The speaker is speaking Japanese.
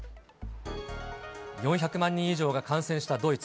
４００万人以上が感染したドイツ。